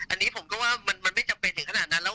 อันนี้ผมก็ว่ามันไม่จำเป็นถึงขนาดนั้นแล้ว